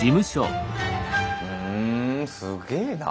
ふんすげえなあ。